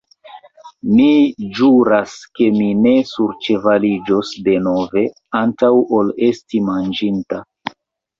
Mi ĵuras, ke mi ne surĉevaliĝos denove, antaŭ ol esti manĝinta.